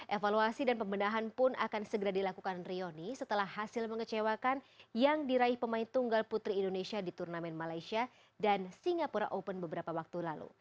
evaluasi dan pembenahan pun akan segera dilakukan rioni setelah hasil mengecewakan yang diraih pemain tunggal putri indonesia di turnamen malaysia dan singapura open beberapa waktu lalu